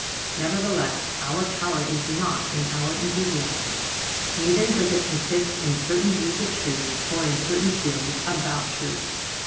Nevertheless, our power is not in our enthusiasm; neither does it consist in certain views of truth, or in certain feelings about truth.